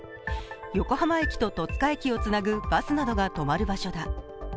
横浜駅と戸塚駅をつなぐバスなどが止まる場所だ。